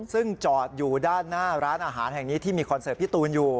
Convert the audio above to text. ซึ่งจอดอยู่ด้านหน้าร้านอาหารแห่งนี้ที่มีคอนเสิร์ตพี่ตูนอยู่